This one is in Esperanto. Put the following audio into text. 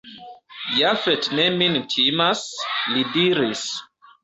Jafet ne min timas, li diris.